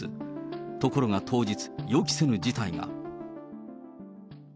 ところが当日、予期せぬ事態が。